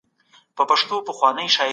تاسي تل د خپلي روغتیا شکر کوئ.